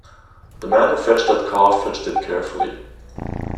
The man who fetched that car fetched it carefully.